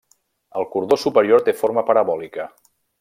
El cordó superior té forma parabòlica.